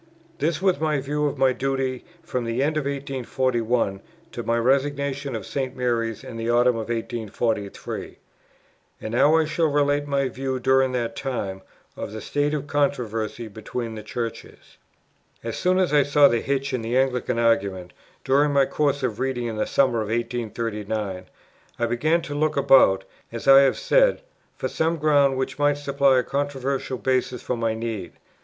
This was my view of my duty from the end of 1841, to my resignation of St. Mary's in the autumn of 1843. And now I shall relate my view, during that time, of the state of the controversy between the Churches. As soon as I saw the hitch in the Anglican argument, during my course of reading in the summer of 1839, I began to look about, as I have said, for some ground which might supply a controversial basis for my need.